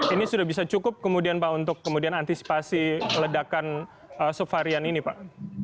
ini sudah bisa cukup kemudian pak untuk kemudian antisipasi ledakan subvarian ini pak